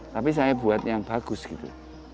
tapi saya buat yang bagus gitu